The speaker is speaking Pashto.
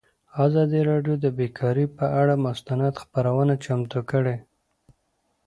ازادي راډیو د بیکاري پر اړه مستند خپرونه چمتو کړې.